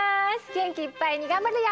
げんきいっぱいにがんばるよ！